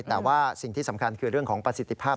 แต่ว่าสิ่งที่สำคัญคือเรื่องของประสิทธิภาพ